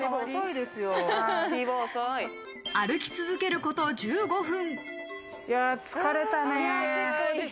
歩き続けること１５分。